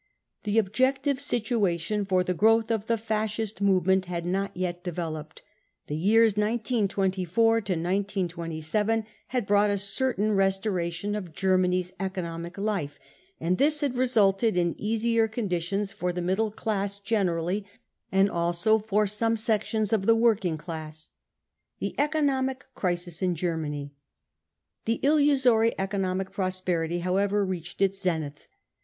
The objective situation for the growth of the Fascist move ment*had not yet developed. The years 1924 to 1927 had f brought a certain restoration of Germany's economic life, and this had resulted in easier conditions for the middle •f 1 ■» BROWN BOOK OF THE HITLER TERROR class generally and also for some sections of the working class. The Economic Crisis in Germany. The illusory economic prosperity however reached its zenith.